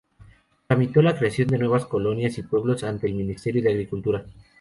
Tramitó la creación de nuevas colonias y pueblos ante el Ministerio de Agricultura.